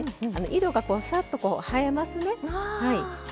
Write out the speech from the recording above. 色が、さっと映えますね。